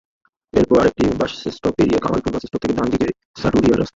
এরপর আরেকটি বাসস্টপ পেরিয়ে কালামপুর বাসস্টপ থেকে ডান দিকে সাটুরিয়ার রাস্তা।